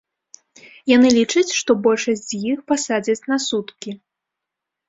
Яны лічаць, што большасць з іх пасадзяць на суткі.